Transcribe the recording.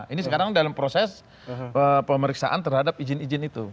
ini sekarang dalam proses pemeriksaan terhadap izin izin itu